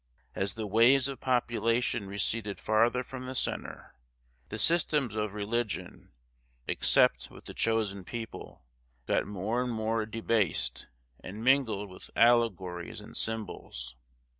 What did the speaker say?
As the waves of population receded farther from the centre, the systems of religion—except with the chosen people—got more and more debased, and mingled with allegories and symbols.